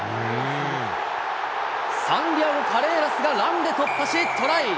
サンディアゴ・カレーラスがランで突破し、トライ。